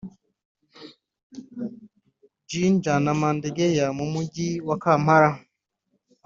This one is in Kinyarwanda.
Jinja na Wandegeya mu Mujyi wa Kampala